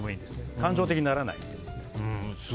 感情的にならない。